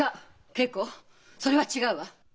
桂子それは違うわ。